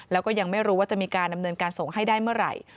แล้วก็ยังไม่รู้ว่าจะมีการดำเนินการส่งให้ได้เมื่อไหร่